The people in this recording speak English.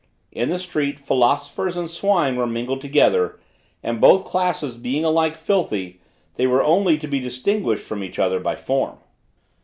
In the streets philosophers and swine were mingled together, and both classes being alike filthy, they were only to be distinguished from each other by form.